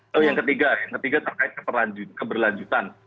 lalu yang ketiga yang ketiga terkait keberlanjutan